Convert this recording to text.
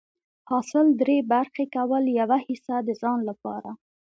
حاصل دری برخي کول، يوه حيصه د ځان لپاره